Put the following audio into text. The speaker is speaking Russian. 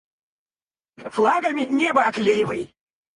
Флагами небо оклеивай!